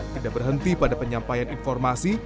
tidak berhenti pada penyampaian informasi